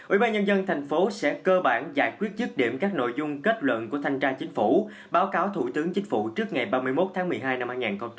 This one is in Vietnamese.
ubnd tp hcm sẽ cơ bản giải quyết chức điểm các nội dung kết luận của thanh tra chính phủ báo cáo thủ tướng chính phủ trước ngày ba mươi một tháng một mươi hai năm hai nghìn một mươi chín